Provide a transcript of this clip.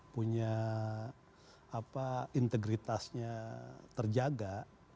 punya integritasnya terjaga